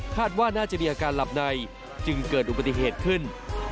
ว่าน่าจะมีอาการหลับในจึงเกิดอุบัติเหตุขึ้น